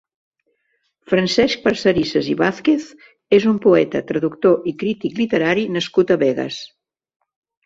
Francesc Parcerisas i Vázquez és un poeta, traductor i crític literari nascut a Begues.